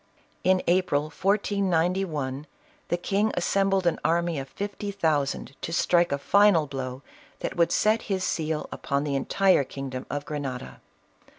In April, 1491, the king assembled an army of fifty thousand, to strike a final blow that would set his seal upon the entire kingdom of Grenada.